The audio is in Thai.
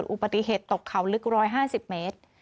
อุปติเหตุตกเขาลึก๑๕๐เมตร